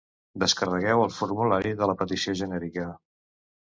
Descarregueu el formulari de la Petició genèrica.